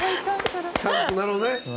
ちゃんとなるほどね。